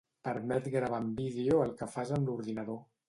Permet gravar en vídeo el que fas amb l’ordinador.